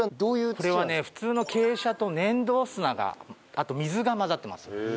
これはね普通の珪砂と粘土砂があと水が混ざってます。